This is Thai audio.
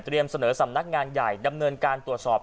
เตรียมเสนอสรรพนักงานใหญ่ดำเนินการตรวจสอบ